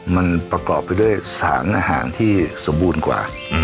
มันประกอบไปด้วยสารอาหารที่สมบูรณ์กว่า